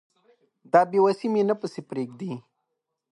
دا بې وسي مي نه پسې پرېږدي